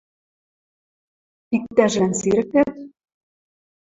– Иктӓжӹлӓн сирӹктет...